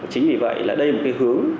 chính vì vậy là đây là một cái hướng